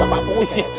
bapak pungut ya